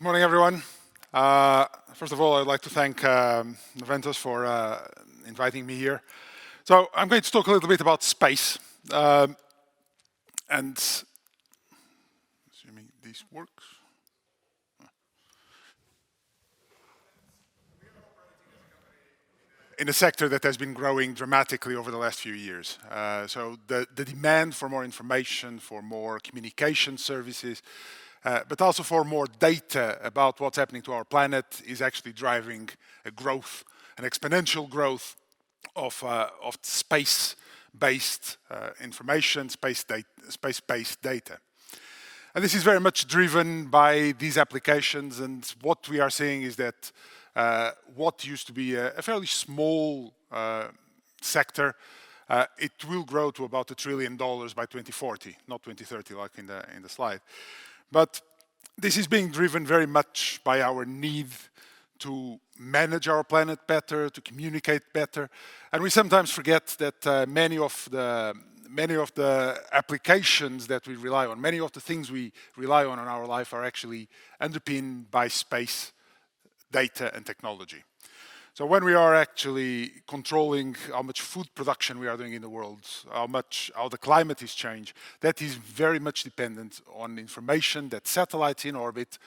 Good morning, everyone. First of all, I'd like to thank Naventus for inviting me here. I'm going to talk a little bit about space, and assuming this works. In a sector that has been growing dramatically over the last few years. The demand for more information, for more communication services, but also for more data about what's happening to our planet is actually driving a growth, an exponential growth of space-based information, space-based data. This is very much driven by these applications. What we are seeing is that what used to be a fairly small sector, it will grow to about $1 trillion by 2040, not 2030, like in the slide. This is being driven very much by our need to manage our planet better, to communicate better. We sometimes forget that many of the applications that we rely on, many of the things we rely on in our life are actually underpinned by space data and technology. When we are actually controlling how much food production we are doing in the world, how the climate is changed, that is very much dependent on information that satellites in orbit,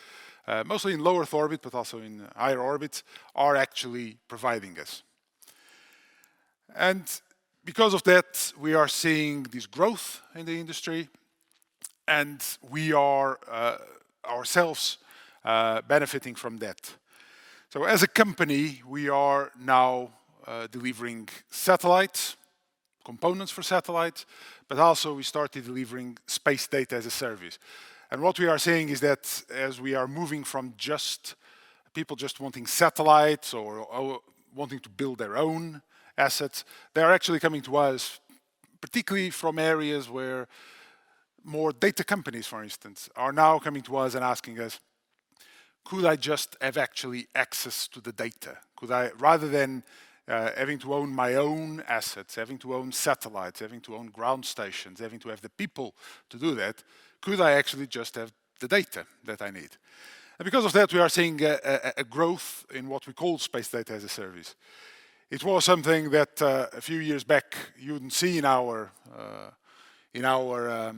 mostly in low Earth orbit, but also in higher orbits, are actually providing us. Because of that, we are seeing this growth in the industry, and we are ourselves benefiting from that. As a company, we are now delivering satellites, components for satellites, but also we started delivering Space Data as a Service. What we are seeing is that as we are moving from people just wanting satellites or wanting to build their own assets, they are actually coming to us, particularly from areas where more data companies, for instance, are now coming to us and asking us, "Could I just have actually access to the data? Could I, rather than having to own my own assets, having to own satellites, having to own ground stations, having to have the people to do that, could I actually just have the data that I need?" Because of that, we are seeing a growth in what we call Space Data as a Service. It was something that a few years back you wouldn't see in our in our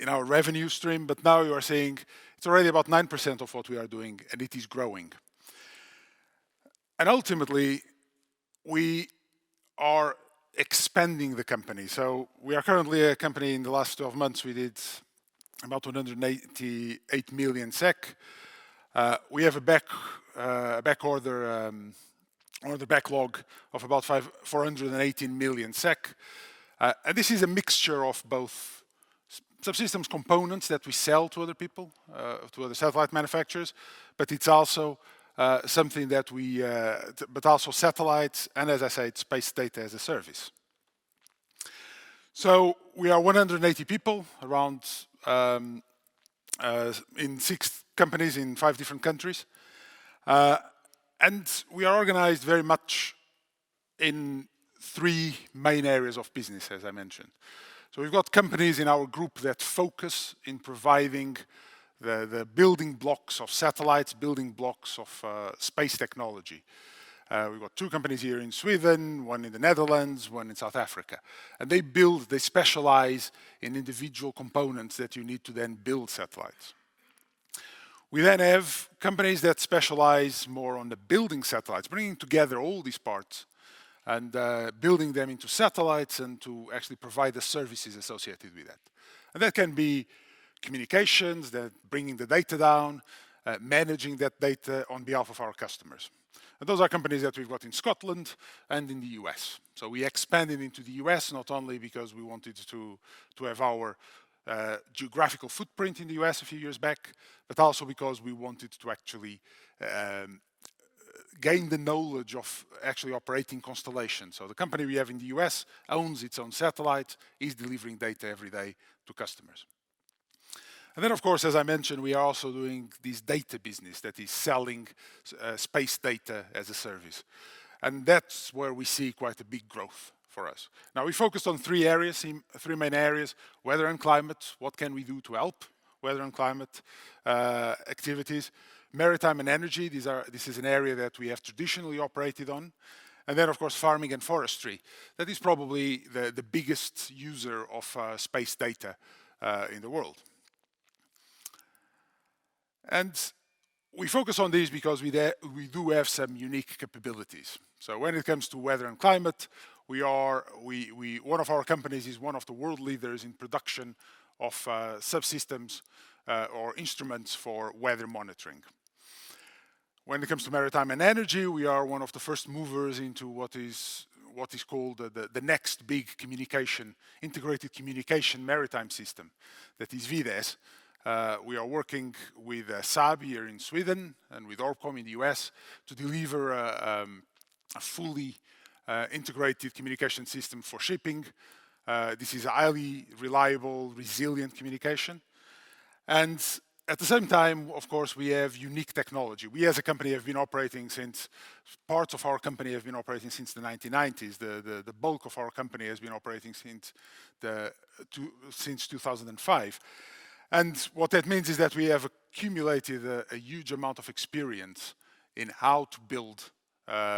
in our revenue stream, but now you are seeing it's already about 9% of what we are doing, and it is growing. Ultimately, we are expanding the company. We are currently a company, in the last 12 months, we did about 188 million SEK. We have a back order backlog of about 418 million SEK. This is a mixture of both subsystems components that we sell to other people, to other satellite manufacturers, but it's also something that we, but also satellites and, as I said, Space Data as a Service. We are 180 people around in six companies in five different countries. We are organized very much in three main areas of business, as I mentioned. We've got companies in our group that focus in providing the building blocks of satellites, building blocks of space technology. We've got two companies here in Sweden, one in the Netherlands, one in South Africa. They build, they specialize in individual components that you need to then build satellites. We then have companies that specialize more on the building satellites, bringing together all these parts and building them into satellites and to actually provide the services associated with that. That can be communications, the bringing the data down, managing that data on behalf of our customers. Those are companies that we've got in Scotland and in the US We expanded into the US not only because we wanted to have our geographical footprint in the US a few years back, but also because we wanted to actually gain the knowledge of actually operating constellations. The company we have in the US owns its own satellite, is delivering data every day to customers. Of course, as I mentioned, we are also doing this data business that is selling Space Data as a Service. That's where we see quite a big growth for us. Now, we focus on three areas, in three main areas: weather and climate, what can we do to help weather and climate activities. Maritime and energy, this is an area that we have traditionally operated on. Of course, farming and forestry. That is probably the biggest user of space data in the world. We focus on these because we do have some unique capabilities. When it comes to weather and climate, one of our companies is one of the world leaders in production of subsystems or instruments for weather monitoring. When it comes to maritime and energy, we are one of the first movers into what is called the next big communication, integrated communication maritime system, that is VDES. We are working with Saab here in Sweden and with ORBCOMM in the US to deliver a fully integrated communication system for shipping. This is highly reliable, resilient communication. At the same time, of course, we have unique technology. We as a company have been operating since Parts of our company have been operating since the 1990s. The bulk of our company has been operating since 2005. What that means is that we have accumulated a huge amount of experience in how to build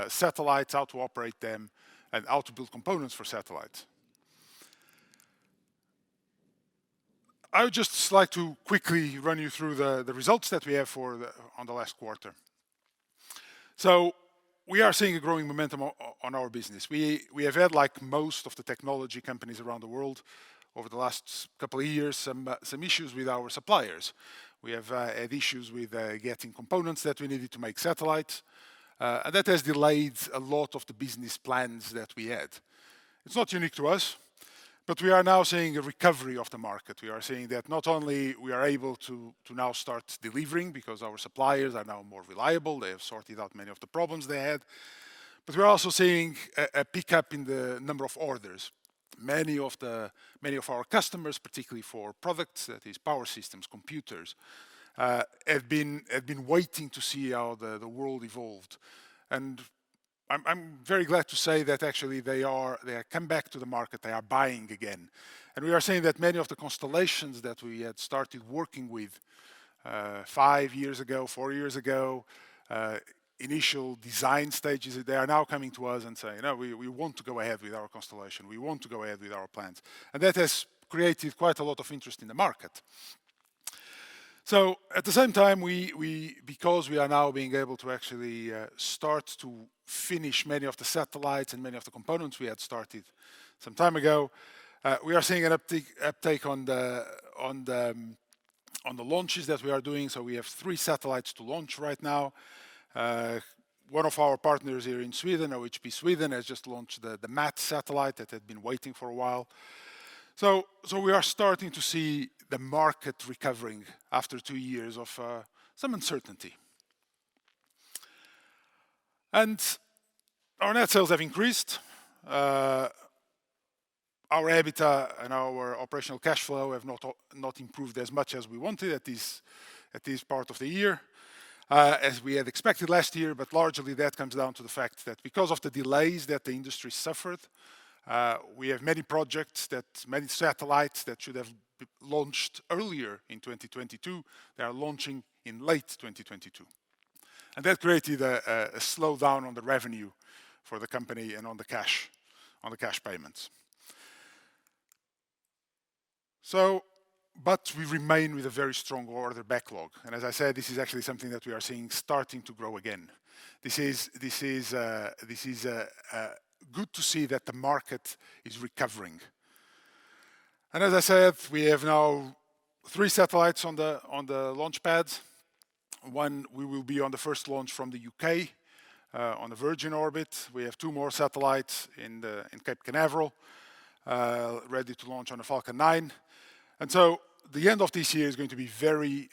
satellites, how to operate them, and how to build components for satellites. I would just like to quickly run you through the results that we have for the, on the last quarter. We are seeing a growing momentum on our business. We have had, like most of the technology companies around the world over the last couple of years, some issues with our suppliers. We have had issues with getting components that we needed to make satellites, and that has delayed a lot of the business plans that we had. It's not unique to us, but we are now seeing a recovery of the market. We are seeing that not only we are able to now start delivering because our suppliers are now more reliable, they have sorted out many of the problems they had, but we're also seeing a pickup in the number of orders. Many of our customers, particularly for products, that is power systems, computers, have been waiting to see how the world evolved. I'm very glad to say that actually they are come back to the market, they are buying again. We are seeing that many of the constellations that we had started working with, five years ago, four years ago, initial design stages, they are now coming to us and saying, "No, we want to go ahead with our constellation. We want to go ahead with our plans." That has created quite a lot of interest in the market. At the same time, we, because we are now being able to actually start to finish many of the satellites and many of the components we had started some time ago, we are seeing an uptake on the launches that we are doing. We have three satellites to launch right now. One of our partners here in Sweden, OHB Sweden, has just launched the MATS that had been waiting for a while. We are starting to see the market recovering after 2 years of some uncertainty. Our net sales have increased. Our EBITDA and our operational cash flow have not improved as much as we wanted at this part of the year, as we had expected last year, but largely that comes down to the fact that because of the delays that the industry suffered, we have many projects that, many satellites that should have launched earlier in 2022, they are launching in late 2022. That created a slowdown on the revenue for the company and on the cash payments. We remain with a very strong order backlog. As I said, this is actually something that we are seeing starting to grow again. This is good to see that the market is recovering. As I said, we have now three satellites on the launchpad. One, we will be on the first launch from the UK, on the Virgin Orbit. We have two more satellites in Cape Canaveral, ready to launch on a Falcon 9. The end of this year is going to be very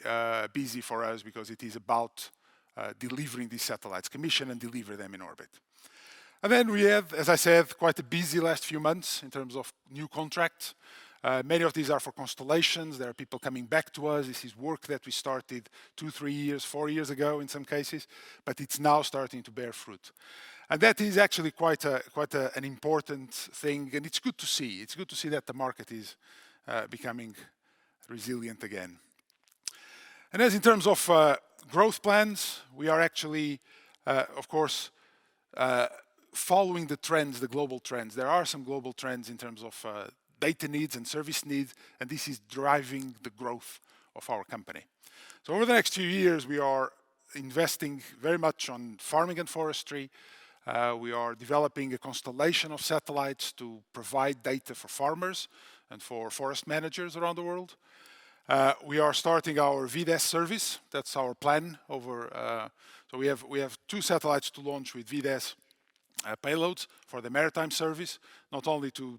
busy for us because it is about delivering these satellites, commission and deliver them in orbit. We have, as I said, quite a busy last few months in terms of new contracts. Many of these are for constellations. There are people coming back to us. This is work that we started two, three, four years ago in some cases, but it's now starting to bear fruit. That is actually quite a, an important thing, and it's good to see. It's good to see that the market is becoming resilient again. As in terms of growth plans, we are actually, of course, following the trends, the global trends. There are some global trends in terms of data needs and service needs, and this is driving the growth of our company. Over the next few years, we are investing very much on farming and forestry. We are developing a constellation of satellites to provide data for farmers and for forest managers around the world. We are starting our VDES service. That's our plan over. We have two satellites to launch with VDES payloads for the maritime service, not only to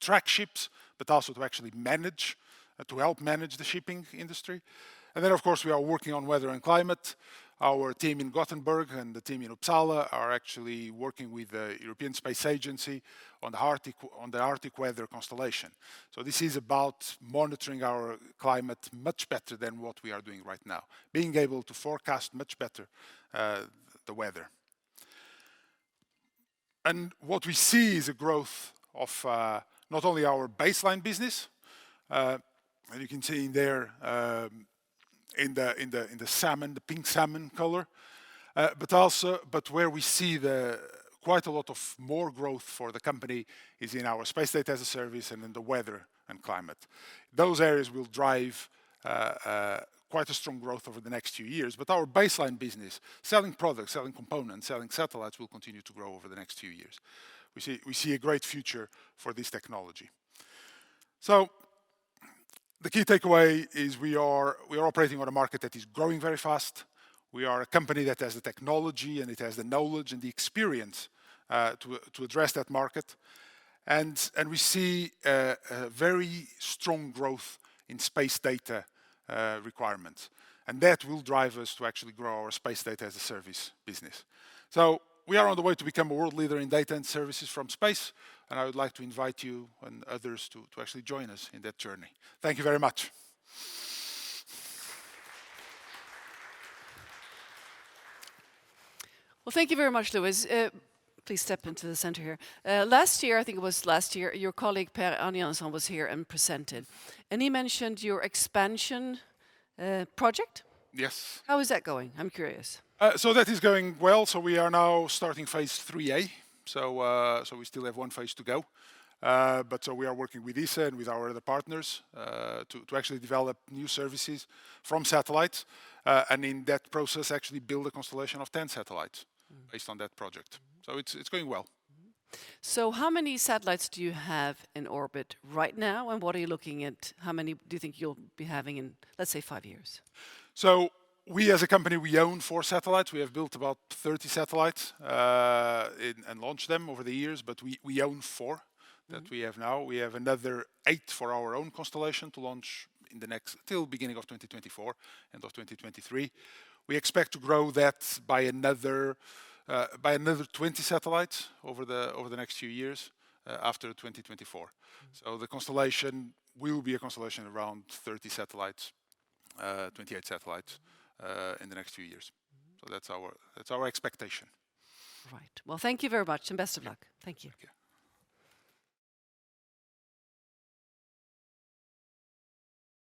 track ships, but also to actually manage, to help manage the shipping industry. Of course, we are working on weather and climate. Our team in Gothenburg and the team in Uppsala are actually working with the European Space Agency on the Arctic weather constellation. This is about monitoring our climate much better than what we are doing right now, being able to forecast much better the weather. What we see is a growth of not only our baseline business, and you can see in there in the salmon, the pink salmon color, but where we see quite a lot of more growth for the company is in our Space Data as a Service and in the weather and climate. Those areas will drive quite a strong growth over the next few years. Our baseline business, selling products, selling components, selling satellites, will continue to grow over the next few years. We see a great future for this technology. The key takeaway is we are operating on a market that is growing very fast. We are a company that has the technology, and it has the knowledge and the experience to address that market. We see a very strong growth in space data requirements, and that will drive us to actually grow our Space Data as a Service business. We are on the way to become a world leader in data and services from space, and I would like to invite you and others to actually join us in that journey. Thank you very much. Well, thank you very much, Luis. Please step into the center here. Last year, I think it was last year, your colleague, Per Aniansson, was here and presented, and he mentioned your expansion, project. Yes. How is that going? I'm curious. That is going well. We are now starting phase 3A, we still have one phase to go. We are working with ESA and with our other partners, to actually develop new services from satellites, and in that process actually build a constellation of 10 satellites. Mm-hmm... based on that project. It's going well. How many satellites do you have in orbit right now, and what are you looking at? How many do you think you'll be having in, let's say, five years? We as a company, we own four satellites. We have built about 30 satellites and launched them over the years, but we own. Mm-hmm... that we have now. We have another 8 for our own constellation to launch in the next, till beginning of 2024, end of 2023. We expect to grow that by another 20 satellites over the next few years, after 2024. Mm-hmm. The constellation will be a constellation around 30 satellites, 28 satellites, in the next few years. Mm-hmm. That's our expectation. Right. Well, thank you very much, and best of luck. Thank you. Thank you.